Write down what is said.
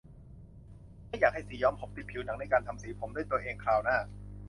ไม่อยากให้สีย้อมผมติดผิวหนังในการทำสีผมด้วยตัวเองคราวหน้า